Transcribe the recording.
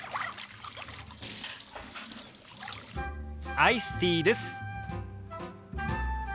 アイスティーです。